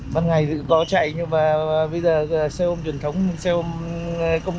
bằng ngày thì có chạy nhưng bây giờ xe ôm truyền thống xe ôm công ty